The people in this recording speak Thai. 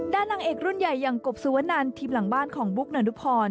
นางเอกรุ่นใหญ่อย่างกบสุวนันทีมหลังบ้านของบุ๊กนานุพร